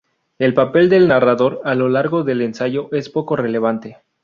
El papel del narrador a lo largo del ensayo es poco relevante.